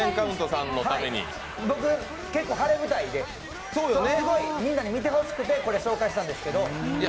僕、結構、晴れ舞台で、すごいみんなに見てほしくてこれ、紹介したんですけど。